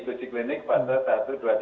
kursi klinik pada satu dua tiga